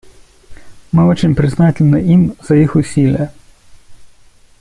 Мы очень признательны им за их усилия.